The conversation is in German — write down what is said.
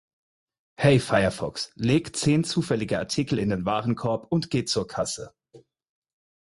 Hey Firefox, leg zehn zufällige Artikel in den Warenkorb und geh zur Kasse.